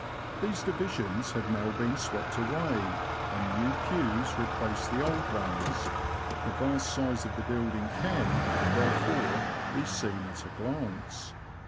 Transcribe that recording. These divisions have now been swept away, and new pews replace the old ones ; the vast size of the building can, there fore, be seen at a glance.